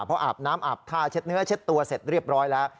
เพราะอาบน้ำอาบท่าเช็ดเนื้อเช็ดตัวเสร็จเรียบร้อยแล้ว